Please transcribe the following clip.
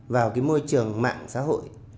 vào cái môi trường mạng xã hội